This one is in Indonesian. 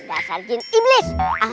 dasar jin iblis